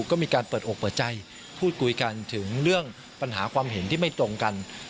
ก็มีการเปิดอกเปิดใจพูดคุยกันถึงเรื่องปัญหาความเห็นที่ไม่ตรงกัน